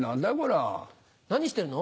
何してるの？